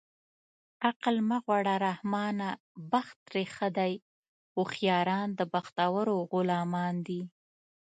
عقل مه غواړه رحمانه بخت ترې ښه دی هوښیاران د بختورو غلامان دي